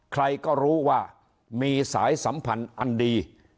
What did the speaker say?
ใครก็รู้ว่ามีสายสัมพันธ์อันดี